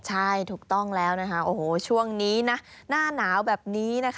ใช่ถูกต้องแล้วช่วงนี้หน้าหนาวแบบนี้